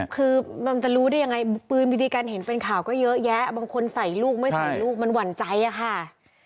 คือมันจะรู้ได้ยังไงปืนบีบีกันเห็นเป็นข่าวก็เยอะแยะบางคนใส่ลูกไม่ใส่ลูกมันหวั่นใจอะค่ะ